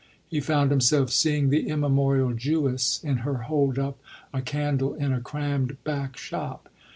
He found himself seeing the immemorial Jewess in her hold up a candle in a crammed back shop.